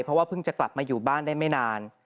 เพราะว่าเพิ่งจะกลับมาอยู่บ้านได้ไม่นาน